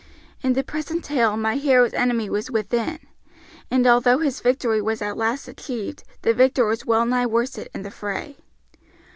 In the present tale my hero's enemy was within, and although his victory was at last achieved the victor was well nigh worsted in the fray.